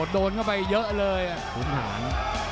โดนเข้าไปเยอะเลยขุนหาร